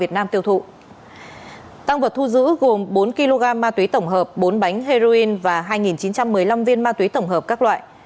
tăng vật thu giữ gồm bốn kg ma túy tổng hợp bốn bánh heroin và hai chín trăm một mươi năm viên ma túy tổng hợp các loại